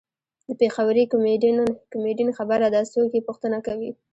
د پېښوري کمیډین خبره ده څوک یې پوښتنه کوي.